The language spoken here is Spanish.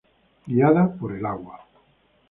Guiada por el agua".